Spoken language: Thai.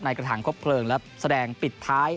กระถางครบเพลิงและแสดงปิดท้าย